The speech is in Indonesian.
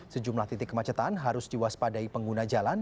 sejumlah titik kemacetan harus diwaspadai pengguna jalan